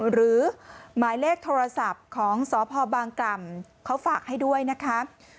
หรือหมายเลขโทรศัพท์ของสพบางกล่ำเขาฝากให้ด้วยนะคะ